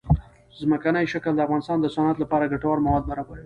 ځمکنی شکل د افغانستان د صنعت لپاره ګټور مواد برابروي.